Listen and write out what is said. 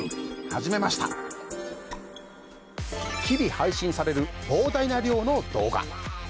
日々配信される膨大な量の動画。